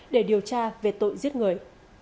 để điều tra về tội giết người